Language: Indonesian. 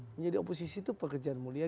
menjadi oposisi itu pekerjaan mulia